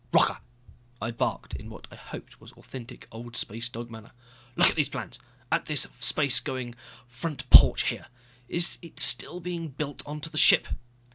"Rocca!" I barked, in what I hoped was authentic old space dog manner. "Look at these plans, at this space going front porch here. Is it still being built onto the ship?"